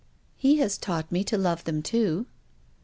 " He has taught mc to love them too."